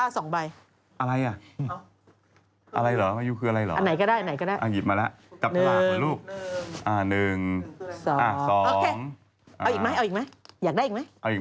อ๋อฉันเชื่อแล้วไม่ข่าวว่าแม่นอันนี้๙